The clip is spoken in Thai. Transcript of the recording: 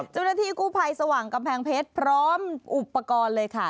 เจ้าหน้าที่กู้ภัยสว่างกำแพงเพชรพร้อมอุปกรณ์เลยค่ะ